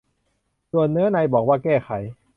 ส่วนเนื้อในบอกว่า "แก้ไข"